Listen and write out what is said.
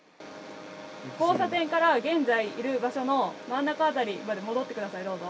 交差点から現在いる場所の真ん中辺りまで戻ってください、どうぞ。